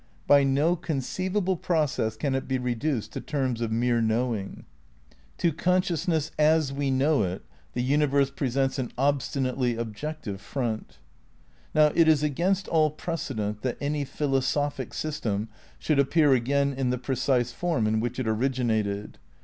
By no conceivable process can it be reduced to terms of mere knowing. To conscious ness as we know it the universe presents an obstinately objective front. Now it is against all precedent that any philosophic system should appear again in the precise form in which it originated.